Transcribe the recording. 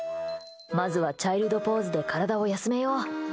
まずはチャイルドポーズで体を休めよう。